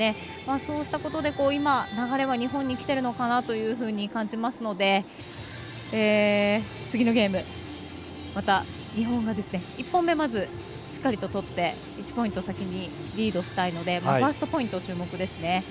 そうしたことで今、流れは日本にきているのかなと感じますので、次のゲームまた、日本が１本目まず、しっかりと取って１ポイント先にリードしたいのでファーストポイント、注目ですね。